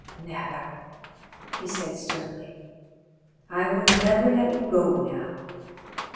"Never!" he said sternly. "I will never let you go now.